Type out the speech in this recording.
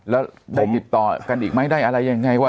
แล้วได้ติดต่อกันอีกไหมได้อะไรยังไงว่า